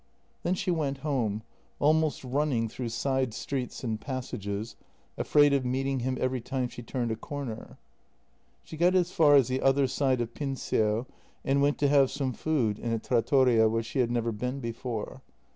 Then she went home, almost running through side streets and passages, afraid of meeting him every time she turned a corner. She got as far as the other side of Pincio, and went to have some food in a trattoria where she had never been before.